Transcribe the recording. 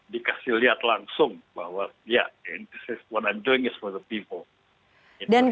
dikasih lihat langsung bahwa ini yang saya lakukan untuk orang orang